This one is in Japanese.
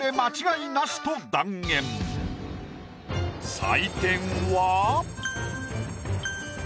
採点は。